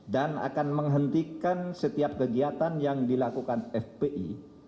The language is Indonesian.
dan menghentikan setiap kegiatan yang dilakukan fpi